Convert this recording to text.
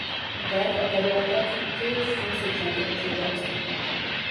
A terv a területet két szomszédsági egységre osztotta.